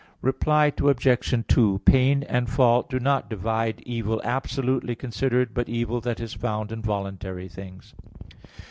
Reply Obj. 2: Pain and fault do not divide evil absolutely considered, but evil that is found in voluntary things.